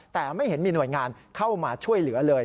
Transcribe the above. แต่ไม่เห็นมีหน่วยงานเข้ามาช่วยเหลือเลย